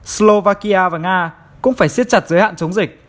slovakia và nga cũng phải siết chặt giới hạn chống dịch